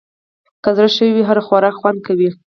که زړه ښه وي، هر خوراک خوند کوي.